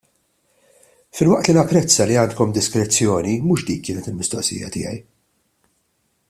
Filwaqt li napprezza li għandkom diskrezzjoni, mhux dik kienet il-mistoqsija tiegħi.